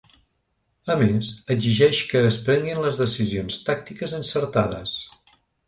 A més, exigeix que es prenguin les decisions tàctiques ‘encertades’.